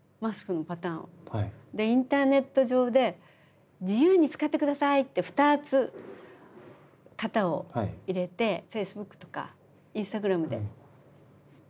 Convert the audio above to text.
インターネット上で「自由に使ってください」って２つ型を入れてフェイスブックとかインスタグラムで「勝手に使っていいですよ」。